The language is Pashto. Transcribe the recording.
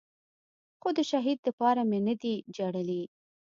خو د شهيد دپاره مې نه دي جړلي.